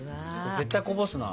絶対こぼすな。